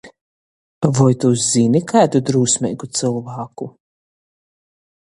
Voi tu zyni kaidu drūsmeigu cylvāku?